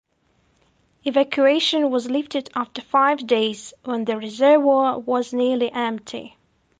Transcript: Evacuation was lifted after five days when the reservoir was nearly empty.